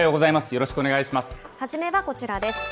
よろし初めはこちらです。